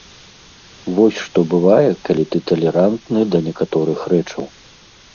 Вось што бывае, калі ты талерантны да некаторых рэчаў.